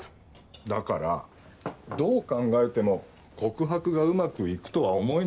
だからどう考えても告白がうまくいくとは思えないだろって話。